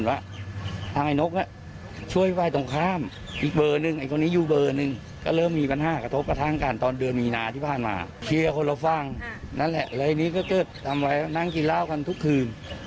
ไอ้นกเนี่ยก็ทำท่าจะขยับปืน